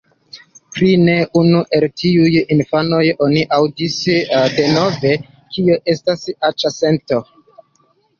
Pri ne unu el tiuj infanoj oni aŭdis denove, kio estas aĉa sento.